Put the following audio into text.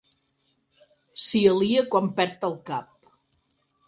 S'hi alia quan perd el cap.